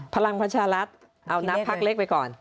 พลังประชารัฐเอานับพักเล็กไปก่อน